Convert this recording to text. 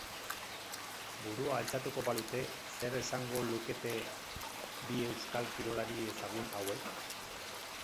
Burua altxako balute zer esango lukete bi euskal kirolari ezagun hauek?